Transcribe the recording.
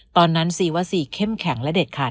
ซีว่าซีเข้มแข็งและเด็ดขาด